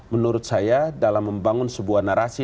menurut saya dalam membangun sebuah narasi